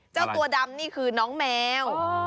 เจ้าตัวดำนี่คือน้องแมว